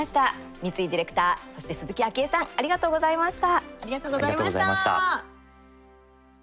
三井ディレクターそして鈴木あきえさんありがとうございました。